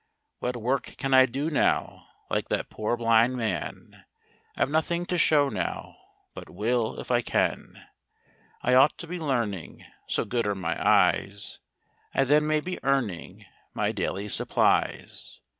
What work can I do now, like that poor blind man ? I've nothing to show now—but will if I can. I ought to be learning, so good are my eyes; I then may be earning my daily supplies.